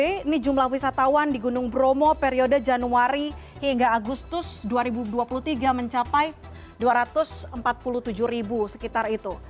ini jumlah wisatawan di gunung bromo periode januari hingga agustus dua ribu dua puluh tiga mencapai dua ratus empat puluh tujuh ribu sekitar itu